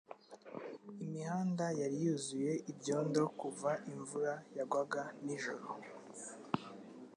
Imihanda yari yuzuye ibyondo kuva imvura yagwaga nijoro.